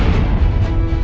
jangan lupa untuk berlangganan